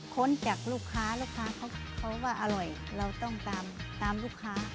ค้นจากลูกค้าลูกค้าเขาว่าอร่อยเราต้องตามตามลูกค้า